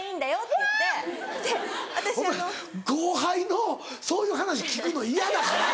お前後輩のそういう話聞くの嫌だから。